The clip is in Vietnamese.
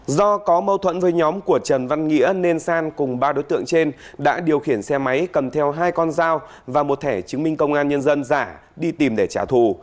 do có mâu thuẫn với nhóm của trần văn nghĩa nên san cùng ba đối tượng trên đã điều khiển xe máy cầm theo hai con dao và một thẻ chứng minh công an nhân dân giả đi tìm để trả thù